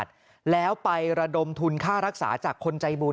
ตอนนี้ขอเอาผิดถึงที่สุดยืนยันแบบนี้